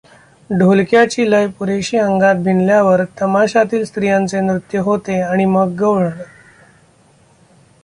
ढोलक्याची लय पुरेशी अंगात भिनल्यावर तमाशातील स्त्रियांचे नृत्य होते आणि मग गौळण.